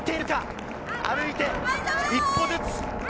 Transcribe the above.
歩いて一歩ずつ。